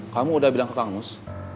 kamu udah bilang ke kang nus